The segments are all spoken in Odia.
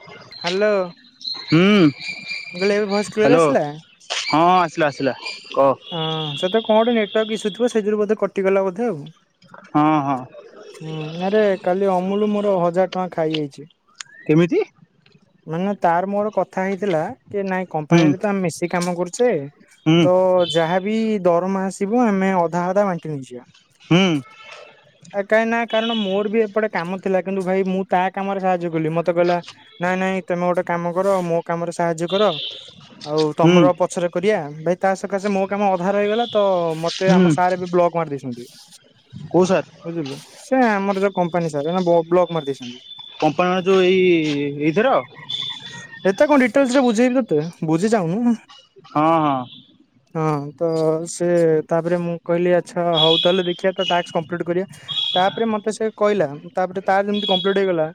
[inaudible] ହ୍ୟାଲୋ। ହୁଁ କହିଲି ଏବେ ଭଏସ କ୍ଲିୟର ହ୍ୟାଲୋ, ଆସିଲା? ହଁ ଆସିଲା ଆସିଲା କହ? ହଁ ସେତ ତ କଣ ଗୋଟେ ନେଟୱାର୍କ ଇସୁଥିବ ସେଇଥିରୁ ବୋଧେ କଟି ଗଲା ବୋଧେ ଆଉ। ହଁ ହଁ। ହୁଁ ଆରେ କାଲି ଅମୁଲ ମୋର ହଜାର ଟଙ୍କା ଖାଇଯାଇଛି। କେମିତି? ମାନେ ତାର ମୋର କଥା ହେଇଥିଲା କି ନାଇଁ ହୁଁ କମ୍ପାନୀରେ ତ ଆମେ ମିଶିକି କାମ କରୁଛେ ହୁଁ ତ ଯାହା ବିି ଦରମା ଆସିବ ଆମେ ଅଧା ଅଧା ବାଣ୍ଟି ନେଇଯିବା। ହୁଁ। ଆ କାହିଁ ନା କାରଣ ମୋର ବି ଏପଟେ କାମ ଥିଲା, କିନ୍ତୁ ଭାଇ ମୁଁ ତା କାମରେ ସାହାଯ୍ୟ କଲି ମତେ ମତ କହିଲା ନାଇଁ ନାଇଁ ତମେ ଗୋଟେ କାମ କର ମୋ କାମରେ ସାହାଯ୍ୟ କର। ଆଉ ହୁଁ ତମର ପଛରେ କରିଆ ଭାଇ ତା ସକାଶେ ମୋ କାମ ଅଧା ରହିଗଲା। ତ ମତେ ହୁଁ ଆମ ସାର୍ ଏବେ ବ୍ଲଗ ମାରି ଦେଇଛନ୍ତି। କୋଉ ସାର୍? ବୁଝିଲୁ ସେ ଆମର ଯୋଉ କମ୍ପାନୀ ସାର୍ ବ୍ଲକ ମାରି ଦେଇଛନ୍ତି। କମ୍ପାନୀର ଯୋଉ ଏଇ ଏଇଥର। ଏତେ କଣ ଡିଟେଲସ ରେ ବୁଝେଇବି ତତେ ବୁଝି ଯାଉନୁ। ହଁ ହଁ। ହଁ ତ ସେ ତାପରେ ମୁଁ କହିଲି ଆଚ୍ଛା ହଉ ତାହେଲେ ଦେଖିବା ଟାକ୍ସ କମ୍ପ୍ଲିଟ କରିବା। ତାପରେ ମତେ ସେ କହିଲା ତାପରେ ତାର ଯେମିତି କମ୍ପ୍ଲିଟ୍ ହେଇଗଲା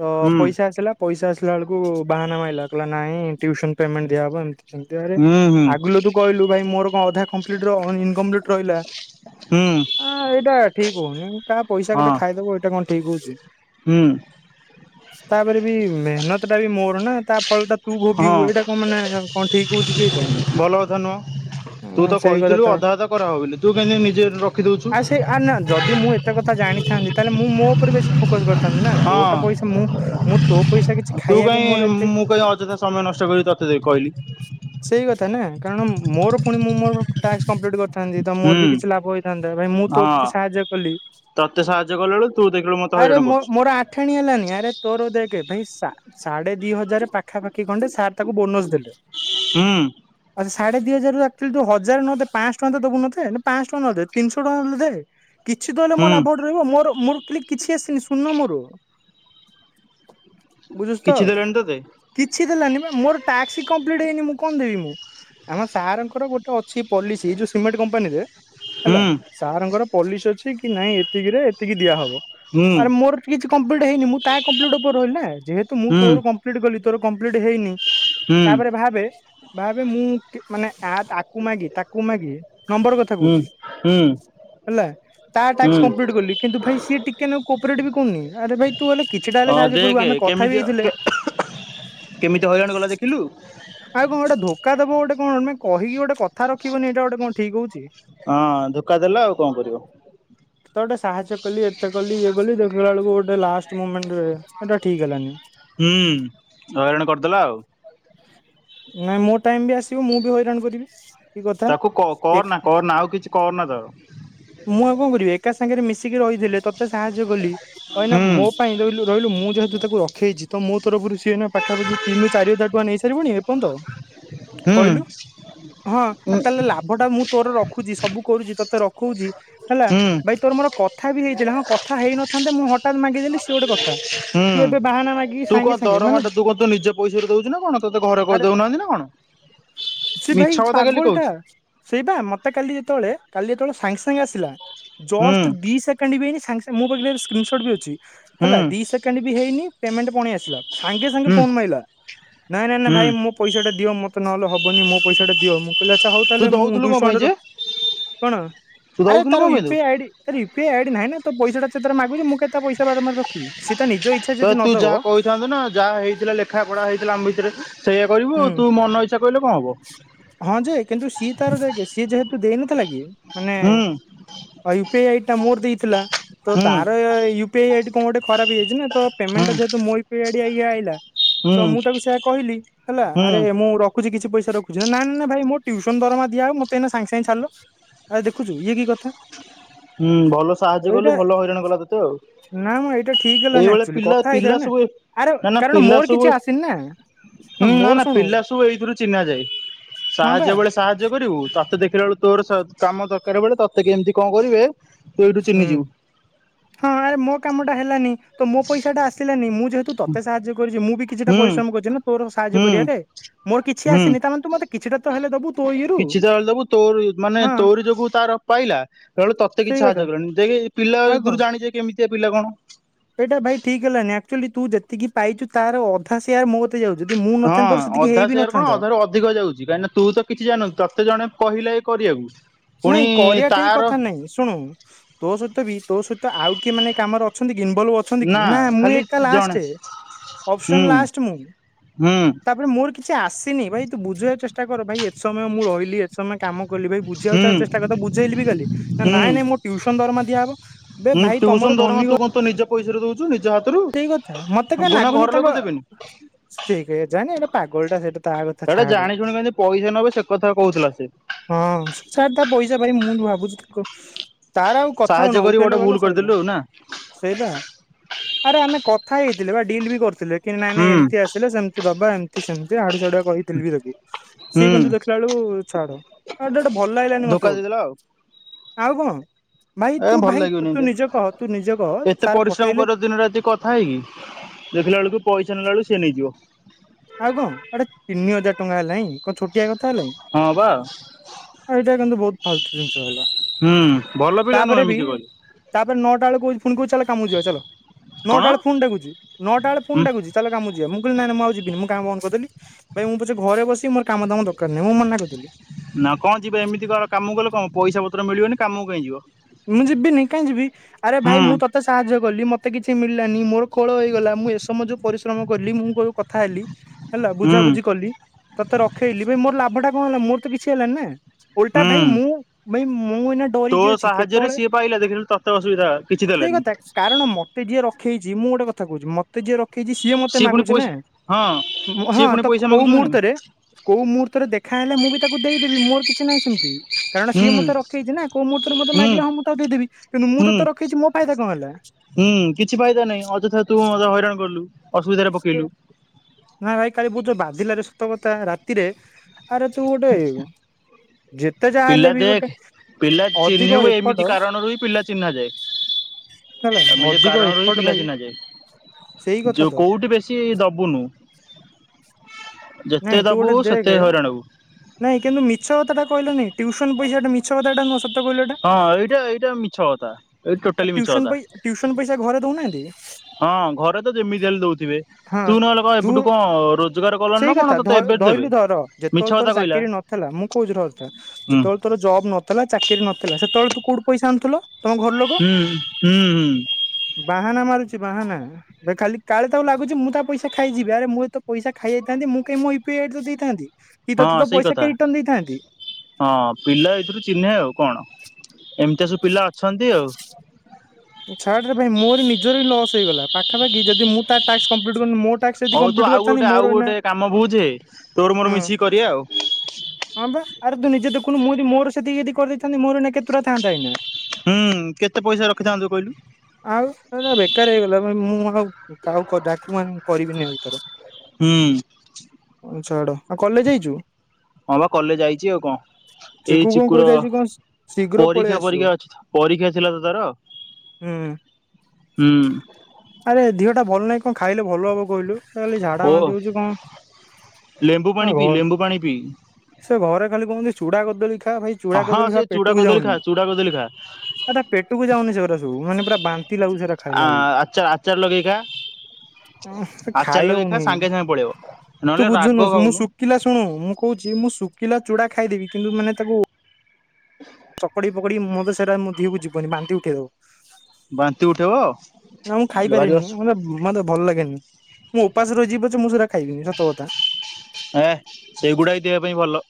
ତ ପଇସା ଆସିଲା। ପଇସା ଆସିଲା ବେଳକୁ ବାହାନା ମାଇଲା କହିଲା ନାଇଁ ଟ୍ୟୁସନ ପେମେଣ୍ଟ ଦିଆହବ ଏମତି। ସେମିତିରେ ହୁଁ ହୁଁ ହୁଁ ଆଗିଲ ତୁ କହିଲୁ ଭାଇ ମୋର କଣ ଅଧା କମ୍ପ୍ଲିଟର ଇନକମ୍ପ୍ଲିଟ ରହିଲା। ହୁଁ। ଆଁ ଏଇଟା ଠିକ ହଉନି କାହା ପଇସା ହଁ କେତେ ଖାଇଦବ ଏଇଟା କଣ ଠିକ ହଉଛି। ହୁଁ। ତାପରେ ବି ମେହନତ ଟା ବି ମୋର ନା ତା ଫଳ ତ ତୁ ହଁ ଭୋଗିବୁ ଏଇଟା କଣ ମାନେ କଣ ଠିକ କହୁଛି କି ଏଇଟା। ଭଲ କଥା ନୁହଁ। ତୁ ଉଁ ତ ସେଇ କଥା କହିଥିଲୁ ଅଧା ଅଧା କରା ହବ ବୋଲି ତୁ କେମିତି ନିଜେ ରଖିଦଉଛୁ। ଆ ସେ ଆର୍ ନା ଯଦି ମୁଁ ଏତେ କଥା ଜାଣିଥାନ୍ତି ତାହେଲେ ମୁଁ ମୋ ଉପରେ ବେଶୀ ଫୋକସ୍ କରି ଥାନ୍ତିନା ତୋଟା ହଁ ପଇସା ମୁଁ ମୁଁ ତୋ ପଇସା କିଛି ତୁ ଖାଇବାକୁ କାହିଁ ମୋର ଏତେ ଦେ କହିଲି। ସେଇ କଥା ନା କାରଣ ମୋର ଫୁଣି ମୁଁ ମୋର ଟାକ୍ସ କମ୍ପ୍ଲିଟ କର ଥାନ୍ତି ତ ମୋର ବି ହୁଁ କିଛି ଲାଭ ହେଇଥାନ୍ତା ଭାଇ ମୁଁ ତୋ ହଁ ପ୍ରତି ସାହାଯ୍ୟ କଲି ତତେ ସାହାଯ୍ୟ କଲା ବେଳୁ ତୁ ଦେଖିଲୁ ମତେ ଆରେ ହଇରାଣ କରୁଛୁ ମୋର ମୋର ଆ ଠେଣି ହେଲାନି ଆରେ ତୋର ଦେଖ କି ଭାଇ ସା ସାଢେ ଦି ହଜାର ପାଖାପାଖି ଖଣ୍ଡେ ସାର୍ ତାକୁ ବୋନସ ଦେଲେ। ହୁଁ। ଆଛା ସାଢେ ଦି ହଜାରରୁ ଆକ୍ଚୋଲି ତ ହଜାର ନ ଦେ ପାଅଁଶହ ଟଙ୍କା ଦବୁ ମତେ ନା ପାଅଁଶହ ଟଙ୍କା ନଦେ ତିନିଶ ଟଙ୍କା ତ ଦେ। କିଛି ତହଲେ ମୋର ହୁଁ ଲାଭ ଗୋଟେ ରହିବ ମୋର ମୋର କ କିଛି ଆସିନି ଶୂନ ମୋର। ବୁଝୁଚୁ ତ? କିଛି ଦେଲେଣି ତତେ କିଛି ଦେଲାନି ବା ମୋର ଟାକ୍ସ ହିଁ କମ୍ପ୍ଲିଟ ହେଇନି ମୁଁ କଣ ଦେବି ମୁଁ ଆମ ସାରଙ୍କର ଗୋଟେ ଅଛି ପଲିସି ଯୋଉ ସିମେଣ୍ଟ କମ୍ପାନୀରେ ହୁଁ ହେଲା ସାର ଙ୍କର ପଲିସ ଅଛି ଅଛି କି ନାଇଁ ଏତିକିରେ ଏତିକି ଦିଆହବ। ହୁଁ ଆରେ ମୋର କିଛି କମ୍ପ୍ଲିଟ ହେଇନି ମୁଁ ତା କମ୍ପ୍ଲିଟ ଉପରେ ରହିଲ ନା ଯେହେତୁ ମୁଁ ହୁଁ ତୋର କମ୍ପ୍ଲିଟ କଲି ତୋର କମ୍ପ୍ଲିଟ ହେଇନି ହୁଁ ତାପରେ ଭାବେ ନାବେ ମୁଁ ମାନେ ତାକୁ ମାଗି ତାକୁ ମାଗି। ନମ୍ବର କଥା ହୁଁ କହୁଚି ହୁଁ ହେଲା ତା ହୁଁ ଟ୍ୟକ୍ସ ଗଲି କିନ୍ତୁ ଭାଇ ସିଏ ଟିକେ ନାଗୁବି କୋପ୍ରେଟେ କରୁନି। ଆରେ ଭାଇ ତୁ ହେଲେ କିଛିଟା ହେଲେ ହଁ ସାହାଯ୍ୟ କରିବୁ ଦେଖେ ଆମେ କଥା ବି କେମିତି ହେଇଥିଲେ। କେମିତି ହଇରାଣ ଗଲା ଦେଖିଲୁ? ଆଉ କଣ ଗୋଟେ ଧୋକା ଦବୁ ଗୋଟେ କଣ କହିଲି ପା କଥା ରଖିବନି ଏଇଟା ଗୋଟେ କଣ ଠିକ ହଉଛି। ହଁ ଧୋକା ଦେଲା ଆଉ କଣ କରିବ ତତେ ଗୋଟେ ସାହାଯ୍ୟ କଲି ଏତେ କଲି ଇଏ କଲି ଦେଖିଲା ବେଳକୁ ଗୋଟେ ଲାଷ୍ଟ ମୁମେଣ୍ଟ ରେ ଏଇଟା ଠିକି ହେଲାନି। ହୁଁ ହଇରାଣ କରିଦେଲା ଆଉ। ନାଇଁ ମୋ ଟାଇମି ବି ଆସିବ ମୁଁ ବି ହଇରାଣ କରିବି। କି କଥା ତାକୁ ଏକ କରନା କରନା ଆଉ କିଛି କରନା ତାର ମୁଁ ଆଉ କଣ କରିବି ଏକା ସାଙ୍ଗରେ ମିଶିକି ରହିଥିଲେ ତ ତତେ ସାହାଯ୍ୟ କଲି କହଲାନା ହୁଁ ମୋ ପାଇଁ ରହିଲୁ ରହିଲୁ ମୁଁ ଯେହେତୁ ତାକୁ ରଖେଇଛି ତ ମୋ ତରଫରୁ ସିଏ ପାଖାପାଖି ତିନିରୁ ଜଚାରିଜାର ଟଙ୍କା ନେଇ ସାରିବନି ଏପଯ୍ୟ ତ। ହୁଁ କହିଲୁ ହଁ ଆ ହୁଁ ତାହେଲେ ଲାଭ ଲାଭଟା ମୁଁ ତୋର ରଖୁଛି ସବୁ କରୁଛି ତୋତେ ରଖୂଉଛି। ହେଲା ହୁଁ ଭାଇ ତୋର ମୋର କଥା ବି ହେଇଥିଲା ହଁ କଥା ହେଇନଥାନ୍ତେ ମୁଁ ହଠାତ୍ ମାଗିଦେଲି ସି ଗୋଟେ କଥା। ତୁ ଏବେ ବାହାନା ହୁଁ ମାଗିକି ତୁ ସାଙ୍ଗେ କଣ ସାଙ୍ଗେ ମାନେ ଦରମାଟ ତୁ କହଁତୋ ନିଜ ପଇସା ରେ ଦଉୁ ନା କଣ ତୋତେ କଣ ଘରେ ଆରେ କହିଦଉନାହାନ୍ତି ନା କଣ। ସେ ଭାଇ ମିଛ କଥା ଖାଲି ପାଗଳ ଟା। କହୁଛୁ ସେଇ ବା ମତେ କାଲି ଯେତେବେଳେ କାଲି ଯେତେବେଳେ ସାଙ୍ଗେ ସାଙ୍ଗେ ଆସିଲା ହୁଁ ଜଷ୍ଟ ଦି ସେ ସେକେଣ୍ଡ ବି ହେଇନି ସାଙ୍ଗ ସାଙ୍ଗ ମୋ ପାଖରେ ସ୍କ୍ରିିନସଟ୍ ବି ଅଛି ହୁଁ ହେଲା ଦିଇ ସେକଣ୍ଡ ବି ହେଇନି ପେମେଣ୍ଟ ପୁଣି ଆସିଲା। ସାଙ୍ଗେ ସାଙ୍ଗେ ହୁଁ ଫୋନ ମାଇଲା ନାଇଁ ନାଇଁ ନାଇଁ ହୁଁ ଭାଇ ମୁ ପଇସା ଟା ଦିଅ ମତେ ନହେଲେ ହବନି ମୋ ପଇସା ଟା ଦିଅ ମୁଁ କଇଲି ଆଚ୍ଛା ହଉ ତୁ ତାହେଲେ ମୁଁ ଦଉଥିଲୁ କଣ ଦୁଇଶହ ପାଇଁ ଖଣ୍ଡେ ଯେ କଣ ତୁ ଆରେ ଦଉଥିଲୁ ତାର କଣ ପାଇଁ ତୁ ୟୁିପି ଆଇଡି ତାର ୟୁିପିଆଇଡି ନାଇଁ ନା ତ ପଇସାଟା ସେତାର ମାଗୁଛି ମୁଁ କେ ପଇସାଟା ବାରମ୍ବର ରଖିବି ସେ ତା ନିଜ ଇଚ୍ଛାରେ ତ ଯଦି ତୁ ନଦବ ଯାହା କହିଥାନ୍ତୁ ଯାହା ହେଇଥିଲା ଲେଖା ପଢା ହେଇଥିଲା ଆମ ଭିତରେ ସେଇଆ କରିବୁଉ ହୁଁ ତୁ ମନ ଇଚ୍ଛା କହେ କଣ ହବ। ହଁ ଯେ କିନ୍ତୁ ସିଏ ତାର ଦେଖେ ସିଏ ଯେହେତୁ ଦେଇନଥିଲା କି ମାନେ ହୁଁ ୟୁପି ଆଇ ଡି ଟା ମୋର ଦେଇଥିଲା ତ ହୁଁ ତାର ୟୁପି ଆଇଡି କଣ ଗୋଟେ ଖରାପ ହେଇଯାଇଛି। ତ ହୁଁ ପ୍ରେମେଟା ଯେହେତୁ ମୋ ୟୁପି ଆଇଡି ଏଇ ଆଲା ହୁଁ ତ ମୁଁ ତାକୁ ସେଇଆ କହିଲି ହେଲା ହୁଁ। ଆରେ ମୁଁ ରଖଛି ପଇସା ରଖୁଛି ନା ନା ଭାଇ ମୋ ଟୁଉସନ ଦରମା ଦିଆ ହବ ମତେ ଏଇନା ସାଙ୍ଗେ ଛାଡ଼ିଲୁ। ଆରେ ଦେଖୁଛୁ ଇଏ କି କଥା ହୁଁ ଭଲ ସାହାଯ୍ୟ ଏଇଟା କଲୁ ଭଲ ହଇରାଣ କଲା ତତେ ଆଉ। ନା ମ ଏଇଟା ଠିକି ହେଲାାନି ଏଇଭଳିଆ ଆକ୍ଚୁଆଲି ପିଲା କଥା ହେଇଥିଲା ପିଲା ନା ସବୁ ଆରେ ନା ନା କାରଣ ପିଲା ମୋର ସବୁ କିଛି ଆସିନି ନା। ହଁ ହୁଁ ନା ମୋର ନା ଶୁଣୁ ପିଲା ସବୁ ଏଇଥିରୁ ଚିହ୍ନା ଯାଏ ହଁ ବା ସାହାଯ୍ୟ ବେଳେ ସାହାଯ୍ୟ କରିବୁ ତତେ ଦେଖିଲା ଏଳୁ ତୋର କାମ ଦରକାର ବେଳେ ତତେ କେମିତି କଣ କରିବେ ତୁ ଏଇଠୁ ହୁଁ ଚିହ୍ନିଯିବୁ ହଁ ଆରେ ମୋ କାମ ଟା ହେଲାନି ତ ମୋ ପଇସା ଟା ଆସିଲାନି ମୁଁ ଯେହେତୁ ତତେ ସାହାଯ୍ୟ କରିଛି ମୁଁ ବି କିଛିଟା ହୁଁ ପରିଶ୍ରମ କରିୁଛି ନା ତୋର ସାହାଯ୍ୟ ହୁଁ କରିବାରେ ମୋର କିଛି ହୁଁ ଆସିନି ତାମାନେ ତୁ ମତେ କିଛିଟା ତ ହେଲେ ଦବୁ ତୋ ଇଏରୁ କିଛିତ ହେଲେ ଦେବୁ ତୋରି ମାନେ ହଁ ତୋରି ଯୋଗୁ ତାର ପାଇଲା ଏତେଳୁ ତତେ କିଛି ସେଇ କଥା ସାହାଯ୍ୟ କଲେଣି ଯେ ଆଉ କଣ ପିଲାରୁ ଜାଣିଛ କେମିତିଆ ପିଲା କଣ। ଏଇଟା ଭାଇ ଠିକି ହେଲାନି ଆକ୍ଚୁଆଲି ତୁ ଯେତିକି ପାଇଛୁ ତାର ଅ ତା ସେୟା ମୋକତିକି ଯାଉଚି ଯଦି ମୁଁ ହଁ ନଥାନ୍ତି ତୋର ସେତିକି ଅଧା ହେଇ ବି ସେୟାର କଣ ନଥାନ୍ତା। ଅଧାରୁ ଅଧିକ ଯାଉଛି କାହିଁକିନା ତୁ ତ କିଛି ଜାଣି ନଥିଲୁ ତତେ ଜଣେ କହିଲେ ଏ କରିବାକୁ କିଛି ପୁଣି ନାଇଁ କରିବା ଠେଇଁ ତାର କଥା ନାଇଁ। ଶୁଣୁ ତୋ ସହିତ ବି ତୋ ସହିତ ଆଉ କିଏ ମାନେ କାମରେ ଅଛନ୍ତି କି ଇନଭଲଭ ଅ ଛନ୍ତି କି ନା ମୁ ଖାଲି ଏକା ଜଣେ ଲାଷ୍ଟେ ଅପସନ ହୁଁ ଲାଷ୍ଟ ମୁ ହୁଁ ତାପରେ ମୋର କି କିଛି ଆସିନି ଭାଇ ତୁ ବୁଝେଇବାକୁ ଚେଷ୍ଟା କର ଭାଇ ଏତେ ସମୟ ମୁଁ ରହିଲି ଏତେ ସମୟ କାମ କଲି ଭାଇ ବୁଝିବାକୁ ହୁଁ ଚେଷ୍ଟାକରି ତାକୁ ବୁଝେଇଲି ବି କାଲି ହୁଁ ନାଇଁ ନାଇଁ ମୋ ଟୁୟୁସନ ଦରମା ଦିଆ ହବ ହୁଁ ଭାଇ ଟ୍ୟୁସନ ତମର ଦରମା ଧନୀ ତୁ ଘ କଣ ତୋ ନିଜ ପଇସା ରୁ ଦଉଛୁକି ନିଜ ହାତରୁ କଥା ବୁନା ଘର ଲୋକ ଦେବେ। ଶ୍ ଠିକ୍ କେଜାଣି ଏଟା ପାଗଳଟା ସେଇଟା। ତା କଥା ଏଇଟା ଛାଡେ। ଜାଣି ଶୁଣି କେମିତି ପଇସା ନେବେ ସେ କଥା କହୁଥିଲା ସେ। ହଁ ଛାଡ ତା ପଇସା ଭାଇ ମୁଁ ବି ଭାବୁଛି ତାକୁ ତାର ଆଉ କଥା ସାହାଯ୍ୟ ନ କରି ଗୋଟେ ଉଠେଇଲେ ଭୁଲ ଗଲା ସଇଲା କରିଦେଲୁ ଆଉ ନା ସେଇପା। ଆରେ ଆମେ କଥା ହେଇଥିଲେ ବା ଡିଲ୍ ବି କରିଥିଲେ। କି ନାଇଁ ନାଇଁ ଏମିତି ହୁଁ ଆସିଲେ ସେମିତି ଦବା ଏମିତି ସେମିତି ଆଡୁ ସାଡୁଆ କହିଥିଲି ବି ତାକୁ ସିଏ ହୁଁ। କିନ୍ତୁ ଦେଖିଲାବେଳୁ ଛାଡ ଏଟା ଗୋଟେ ଭଲ ଲାଗିଲାନି ମତେ ଧୋକା ଗୋଟେ। ଦେଇଦେଲା ଆଉ ଆଉ କଣ ଭାଇ ଏ ତୁ ଭଲ ଭାଇ ଲାଗିବନି ତୁ ଏମିତିଆ ନିଜେ କହ ତୁ ନିଜେ କହ ଏତେ ସାର୍ ପରିଶ୍ରମ ପଠେଇଲେ କର ଦିନ ରାତି କ କଥା ହେଇକି ଦେଖିଲା ବେଳକୁ ପଇସା ନେଲା ବେଳକୁ ସେ ନେଇଯିବ। ଆଉ କଣ ଗୋଟେ ତିନି ହଜାର ଟଙ୍କା ହେଲାଣି କଣ ଛୋଟିଆ କ୍ ହଁ ପା। ଏଇଟା କିନ୍ତୁ ବହୁତ ଫାଲତୁ ଜିନିଷ ହେଲା। ହୁଁ ଭଲ ପିଲା ନୁହଁ ତାପରେ ବି ଏମିତି କହିଲେ ତାପରେ ନଅଟା ବେଳେ କହୁଛି ପୁଣି କହୁଛି ଚାଲ କାମକୁ ଯିବା ଚାଲ କଣ ନଅଟା ବେଳେ ଫୁଣି ଡାକୁଛି ନଅଟା ବେଳେ ହୁଁ ଫୁଣି ଡାକୁଚି ଚାଲ କାମକୁ ଯିବା ମୁଁ କହିଁଲି ନାଇଁ ନାଇଁ ମୁଁ ଆଉ ଯିବିନି ମୁଁ କାମ ବନ୍ଦ କରିଦେଲି। ଭାଇ ମୁଁ ପଛେ ଘରେ ବସିବି ମୋର କାମ ଦାମ ଦରକାର ନାହିଁ ମୁଁ ମନା କରିଦେଲି। ନା କଣ ଯିବେ ଏମିତି କର କାମକୁ ଗଲେ କଣ ପଇସା ପତ୍ର ମିଳିବନି କାମକୁ କାଇଁ ଯିବ। ମୁଁ ଯିବିନି କାଇଁ ଯିବି ଆରେ ଭାଇ ହୁଁ ମୁଁ ତ ତେ ସାହାଯ୍ୟ କଲି ମତେ କିଛି ମିଳିଲାନି ମୋର ଖୋଳ ହେଇଗଲା। ମୁଁ ଏ ସମୟ ଯୋଉ ପରିଶ୍ରମ କଲି ମୁଁ କୋଉ କଥା ହେଲି ହେଲା ହୁଁ ବୁଝାବୁଝି କଲି ତତେ ରଖେଇଲି। ଭାଇ ମୋର ଲାଭ ଟା କଣ ହେଲା ମୋର ତ କିଛି ହେଲାନି ନା। ଓଲଟା ହୁଁ ଭାଇ ମୁଁ ଭାଇ ମୁଁ ଏଇନା ଡ଼ରିକି ଅଛି କେ ଯୋଉରା ସିଏ ପାଇଲା ଦେଖିଲେ ତତେ ଅସୁବିଧା କିଛି ସେଇ ଦେଲାନି। କଥା କାରଣ ମତେ ଯିଏ ରଖେଇଛି। ମୁ ଗୋଟେ କହୁଛି ମତେ ଯିଏ ରଖେଇଛି ସେ ସିଏ ମତେ ପୁଣି ମାଗୁଛି ନା ପଇସା ହଁ ହଁ ସିଏ ପୁଣି ତ ପଇସା କୋଉ ମାଗୁଛୁ କି ନାଇଁ ମୁହୂର୍ତ୍ତରେ କୋଉ ମୁହୂର୍ତ୍ତରେ ଦେଖାହେଲେ ମୁଁ ବି ତାକୁ ଦେଇଦେବି ମୋର କିଛି ନାହିଁ ସେମିତି। କାରଣ ସିଏ ହୁଁ ମତେ ରଖେଇଛି ନା କୋଉ ମୁହୂର୍ତ୍ତରେ ମତେ ହୁଁ ମାଗିଲା ହଁ ତାକୁ ଦେଇଦେବି। କିନ୍ତୁ ମୁଁ ହୁଁ ତତେ ରଖେଇଛି ମୋ ଫାଇଦା କଣ ହେଲା? ହୁଁ କିଛି ଫାଇଦା ନାହିଁ। ଅଯଥାରେ ତୁ ମତେ ହଇରାଣ କଲୁ ଅସୁବିଧାରେ ପକେଇଲୁ। ନା ଭାଇ କାଲି ବହୁତ ଜୋର ବାଧିଲାରେ ସତ କଥା ରାତିରେ ଆରେ ତୁ ଗୋଟେ ଯେ ପିଲା ଦେଖ ପିଲା ଚିହ୍ନିବୁ ଏପଟ ଏମିତି କାରଣରୁ ହି ପିଲା ଚିହ୍ନା ଯାଏ। ହେଲା ଏମିତି ଅଧିକ କାରଣରୁ ହି ଏପଟ ପିଲା ଭାଇ ଚିହ୍ନା ସେଇ ଯାଏ। କଥା ତ ଯୋଉ କୋଉଠି ବେଶୀ କିଛି ଦୋବୁନୁ ନାଇଁ ଯେତେ ତୁ ଦବୁ ଗୋଟେ ସେତେ ଦେଖେ ହଇରାଣ ହୋବୁ। ନାଇଁ କିନ୍ତୁ ମିଛ କଥାଟା କହିଲୁନୀ ଟ୍ୟୁସନ ପଇସାଟା ମିଛ କଥାଟା ନୁହଁ ସ ହଁ ଏଇଟା ଏଇଟା ମିଛ କଥା। ଏଇଟା ଟୋଟାଲି ମିଛ ଟ୍ୟୁସନ କଥା ପଇ ଟ୍ୟୁସନ ପଇସା ଘରେ ଦଉନାହାନ୍ତି କି? ହଁ ଘରେ ତ ଯେମିତି ହେଲେ ଦୋଉଥିବେ ହଁ ତୁ ନହେଲେ କଣ ତୁ ଏବେଠୁ କଣ ରୋ ସେଇ କଥା ଧ ଧଇଲୁ ଧର ମିଛ ଯେତେବେଳେ କଥା ତୋର କହିଲା। ଚାକିରି ନଥିଲା ମୁଁ କହୁଛିି ରହିଁଥା ହୁଁ ଯେତେବେଳେ ତୋର ଜବ୍ ନଥିଲା ଚାକିରି ନଥିଲା ସେତେବେଳେ ତୁ କୋଉଠୁ ପଇସା ଆଣୁଥିଲ ତମ ଘର ଲୋକ ହୁଁ ହୁଁ ହୁଁ। ବାହାନା ମାରୁଛି ବାହାନା। ଭାଇ ଖାଲି କାଳେ ତାକୁ ଲାଗୁଛି ମୁଁ ତା ପଇସା ଖାଇଯିବି ଆରେ ମୁଁ ଯଦି ତୋ ପଇସା ଖାଇ ଯାଇଥାନ୍ତି ମୁଁ କାହିଁ ମୋ ୟୁି ପି ଆଇଡି ତତେ ଦେଇଥାନ୍ତି କି ହଁ ତୋତେ ତୋ ସେଇ ପଇସା କଥା। କାଇଁ ରିଟର୍ନ ଦେଇଥାନ୍ତି। ହଁ ପିଲା ଏଥିରୁ ଚିହ୍ନେ ଆଉ କଣ ଏମିତି ସବୁ ପିଲା ଅଛନ୍ତି ଆଉ। ଛାଡ଼ରେ ଭାଇ ମୋର ନିଜର ହିଁ ଲସ୍ ହେଇଗଲା ପାଖପାଖି ଯଦି ମୁଁ ତା ଟାସ୍କ କଂପ୍ଲିଟ୍ କରିନି ମୋ ଟାସ୍କ ଯଦି ହଉ ତୁ କମ୍ପ୍ଲିଟ ଆଉ କରିଥାନ୍ତି ଗୋଟେ ମୋର ଆଉ ଏଇନା ଗୋଟେ କାମ ବୁଝେ ତୋର ହୁଁ ମୋର ମିଶିକି କରିବା ଆଉ। ହଁ ବା ଆରେ ତୁ ନିଜେ ଦେଖୁନୁଁ ମୁ ଯଦି ମୋର ସେତିକି ଯଦି କରି ଦେଇଥାନ୍ତି ମୋର ଏନା କେତୁଟା ଥାନ୍ତା ଏଇନା। ହୁଁ କେତେ ପଇସା ରଖିଥାନ୍ତୁ କହିଲୁ। ଆଉ ଏରା ବେକାର ହେଇଗଲା ମୁଁ ଆଉ କାହାକୁ କ ଡାକ ଉ ଆ କରିବିନି ଆଉ ତାର। ହୁଁ। ହଁ ଛାଡ଼ ଆଉ କଲେଜ ଯାଇଛୁ? ହଁ ବା କଲେଜ ଆଇଚି ଆଉ କଣ। ଏଇ ଚିକୁ କଣ ଚିକୁର କହୁଛି ଆଜି କଣ ଶୀଘ୍ର ପଳେଇ ପରୀକ୍ଷା, ଆସିବ। ପରୀକ୍ଷା ଅଛି ପରୀକ୍ଷା ଥିଲା ତ ତାର। ହୁଁ ହୁଁ ଆରେ ଦେହ ଟା ଭଲ ନାହିଁ କଣ ଖାଇଲେ ଭଲ ହବ କହିଲୁ? ଖାଲି ଝାଡ଼ା, ଓ ବାନ୍ତି ହଉଚି ଲେମ୍ବୁ କଣ ପାଣି ଘ ପିଇ ଲେମ୍ବୁ ପାଣି ପିଇ ସେ ଘରେ ଖାଲି କହୁଚନ୍ତି ଚୁଡ଼ା, କଦଳୀ ଖାଆ ଭାଇ। ଚୁଡ଼ା, ହଁ କଦଳୀ ଶଳା ସେ ଚୁଡା ପେଟକୁ କଦଳୀ ଯାଉନି। ଖା ଚୁଡା କଦଳୀ ଖା ପେଟକୁ ଯାଉନି ସେଗୁରା। ମାନେ ପୁରା ବାନ୍ତି ଲାଗୁଚି ହେରା ଖାଇଲା ଆ ବେଳକୁ। ଆଚାର ଆଚାର ଲଗେଇ ଖା ଉଁ ଆଚାର ଲଗେଇ ଖା ଖାଇହଉନି। ସାଙ୍ଗେ ସାଙ୍ଗେ ପଳେଇବ ତୁ ନହେଲେ ରାଗ ବୁଝୁନୁ ମୁଁ ଖାଉନୁ ଶୁଖିଲା ଶୁଣୁ ମୁଁ କହୁଚି ମୁଁ ଶୁଖିଲା ଚୁଡ଼ା ଖାଇଦେବି କିନ୍ତୁ ମାନେ ତାକୁ [inaudible] ଚକଡି ପକଡି କି ମତେ ସେଇଟା ମୋ ଦିହକୁ ଯିବନି ବାନ୍ତି ଉଠେଇବ। ବାନ୍ତି ଉଠେଇବ? ନା ମୁଁ ଭାରି ଖାଇପାରେନି ଅସୁ ମତେ ମତେ ଭଲ ଲାଗେନି। ମୁଁ ଉପାସ ରହି ଯିବି ପଛେ ମୁଁ ସେରା ଖାଇବିନି ସତ କଥା। ଏ ସେଇଗୁଡ଼ା ହିଁ ଦେହ ପାଇଁ ଭଲ।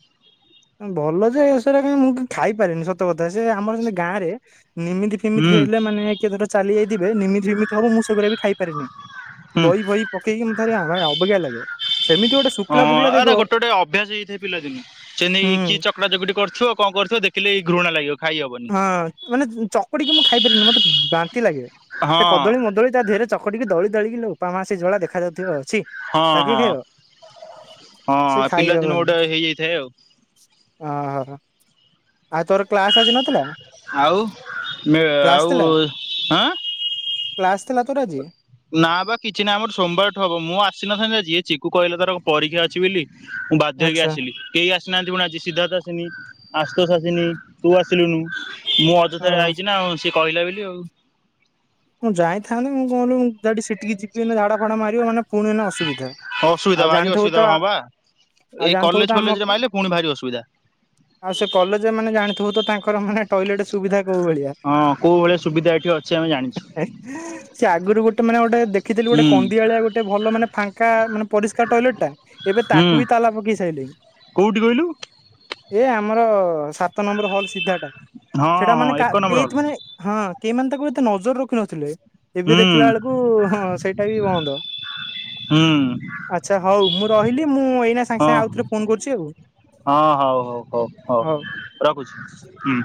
ଭଲ ଯେ ସେରା କାଇଁ ମୁଁ ଖାଇପାରେନି ସତ କଥା। ସେ ଆମର ସେମିତି ଗାଁରେ ନିମି ତି ହୁଁ ହେଲେ ମାନେ କିଏ ଧର ଚାଲି ଯାଇଥିବେ ନିମିତି ଫିମିତି ହବ ମୁଁ ସେଗୁରା ବି ଖାଇପାରେନି। ହୁଁ ଦହି ଫଇ ପକେଇକି ମତେ ଭାରି ଅବାଗିଆ ଲାଗେ। ସେମିତି ଗୋଟେ ହଁ ଶୁଖିଲା ଫୁକିଲା ଏରା ଦେଇଦବ ଗୋଟେ ଗୋଟେ ଅଭ୍ୟାସ ହେଇଥାଏ। ପିଲା ଦିନୁ। ସେଥିପାଇଁ ହୁଁ କିଏ ଚକଟା ଚକଟି କରିଥିବ କଣ କରିଥିବ ଦେଖିଲେ ଘୃଣା ଲାଗିବ। ଖାଇ ହବନି। ହଁ ମାନେ ଚକୁଡି କି ମୁଁ ଖାଇପାରିନି ମତେ ବାନ୍ତି ଲାଗେ। ହଁ ସେ କଦଳୀ ମଦଳୀ ତା ଦିହରେ ଚ ଟିକି ଦଳି ଦାଳିକି ଲୋ ବୋପା ମା ସେ ଯୋଉ ଭଳିଆ ଦେଖାଯାଉଥିବ ଛି। ହଁ ତାକୁ କିଏ ହଁ। ଖାଇବ ସେ ହଁ ଖାଇ ପିଲାଦିନୁ ହବନି ଗୋଟେ ହେଇଯାଇଥାଏ ଆଉ। ଓହୋ। ଆଉ ତୋର କ୍ଲାସ ଆଜି ନଥିଲା? ଆଉ ମେ ଆଉ ଆଁ କ୍ଲାସ ଥିଲା ତୋର ଆଜି? ନା ବା କିଛି ନାହିଁ ଆମର ସୋମବାର ଠୁ ହବ। ମୁଁ ଆସିନଥାନ୍ତି ଆଜି ଚିକୁ କହିଲା ତାର ପରୀକ୍ଷା ଅଛି ବୋଲି। ମୁଁ ବାଧ୍ୟ ହେଇକି ଆଚ୍ଛା ଆସିଲି। କେହି ଆସିନାହାନ୍ତି ପୁଣି ଆଜି ସିଦ୍ଧାର୍ଥ ଆସିନି ଆଶୁତୋଷ ଆସିନି ତୁ ଆସିଲୁନୁ ମୁଁ ଚିକୁ ସାଙ୍ଗରେ ରେ ହଁ। ଆଇଚି ନା ଆଉ ସିଏ କହିଲା ବୋଲି ଆଉ। ମୁଁ ଯାଇଥାନ୍ତି ମୁଁ କଣ କହିଲୁ ଡାଇରେକ୍ଟ ସେଠିକି ଯିବି ଏଇନେ ଝାଡ଼ା ଫାଡା ମାରିବ ମାନେ ପୁଣି ଏଉନା ଅସୁବିଧା। ଅସୁବିଧା ଆଉ ଭାରି ଜାଣିଥିବୁ ଅସୁବିଧା ତ ହଁ ବା ଆଉ ଏଇ ଜାଣିଥିବୁ ତ କଲେଜ ଆମ କ ଫଲେଜରେ ମାଇଲେ ପୁଣି ଭାରି ଅସୁବିଧା। ଆଉ ସେ କଲେଜ ମାନେ ଜାଣିଥିବ ତ ତାଙ୍କର ମାନେ ଟଏଲେଟ ସୁବିଧା କୋଉ ଭଳିଆ। ହଁ କୋଉ ଭଳିଆ ସୁବିଧା ଏଠି ଅଛି ଆମେ ଜାଣିଚୁ। [inaudible] ସେି ଆଗରୁ ଗୋଟେ ମାନେ ଗୋଟେ ଦେଖିଥିଲୁ ହୁଁ ଗୋଟେ କନ୍ଦିଆଳିଆ ଗୋଟେ ଭଲ ମାନେ ଫାଙ୍କା ମାନେ ପରିଷ୍କାର ଟଏଲେଟ ଟା। ଏବେ ହୁଁ ତାକୁ ବି ତାଲା ପକେଇ ସାଇଲେ। କୋଉଠି କହିଲୁ? ଏ ଆମର ସାତ ନମ୍ବର ହଲ ସିଧାଟା। ହଁ ସେଟା ହଁ ମାନେ କା ଏକ ନମ୍ବର ହଲ୍। [unintelligible] ମାନେ ହଁ କେହି ମାନେ ତାକୁ ଏତେ ନଜର ରଖି ନଥିଲେ। ଏବେ ହୁଁ ଦେଖିଲା ବେଳକୁ ହଁ ସେଇଟା ବି ବନ୍ଦ। ହୁଁ। ଆଚ୍ଛା ହଉ ମୁଁ ରହିଲି ମୁଁ ଏଇନା ସାଙ୍ଗେ ହଁ ସାଙ୍ଗେ ଆଉଥରେ ଫୋନ କରୁଚି ଆଉ। ହଁ ହଉ ହଉ ହଉ ହଉ ରଖୁଚି ହୁଁ।